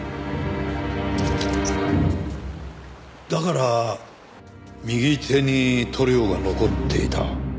だから右手に塗料が残っていた。